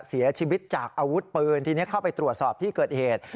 เสียชีวิตจากอาวุธปืนทีนี้เข้าไปตรวจสอบที่เกิดเหตุ